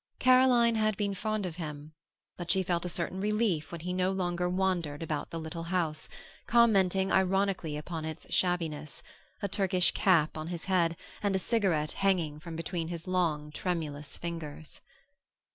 Caroline had been fond of him, but she felt a certain relief when he no longer wandered about the little house, commenting ironically upon its shabbiness, a Turkish cap on his head and a cigarette hanging from between his long, tremulous fingers.